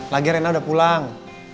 lagi rena udah pulang